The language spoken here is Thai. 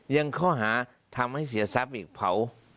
ยังข้อหาทำให้เสียทรัพย์อีกเผา